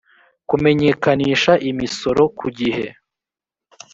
kumenyekanisha imisoro ku gihe